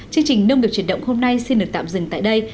chương trình nông nghiệp truyền động hôm nay xin được tạm dừng tại đây